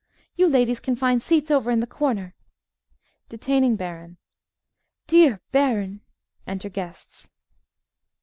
You ladies can find seats over in the corner. (Detaining Baron.) Dear baron (_Enter guests.